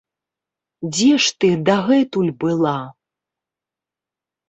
Дзе ж ты дагэтуль была?